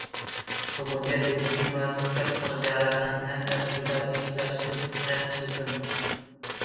Kemudian Dinky melanjutkan perjalanannya dan tiba di stasiun Princeton.